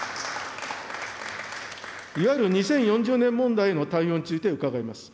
いわゆる２０４０年問題への対応について伺います。